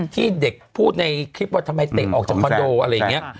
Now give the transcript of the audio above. ที่เด็กพูดในคลิปว่าทำไมเตะออกจากคอนโดอะไรอย่างนี้